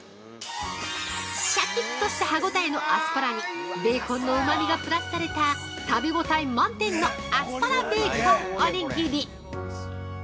シャキッとした歯応えのアスパラにベーコンのうまみがプラスされた食べ応え満点のアスパラベーコンおにぎり！